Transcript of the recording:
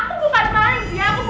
gak usah banyak omong